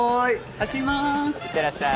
行ってらっしゃーい